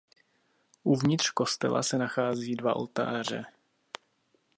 Uvnitř kostela se nachází dva oltáře.